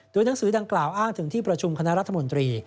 หนังสือดังกล่าวอ้างถึงที่ประชุมคณะรัฐมนตรี